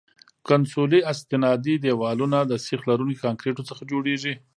کنسولي استنادي دیوالونه د سیخ لرونکي کانکریټو څخه جوړیږي